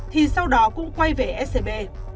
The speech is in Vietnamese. thì sau đó cũng quay về scb